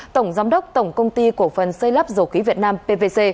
tổng giám đốc tổng công ty cổ phần xây lắp dầu khí việt nam pvc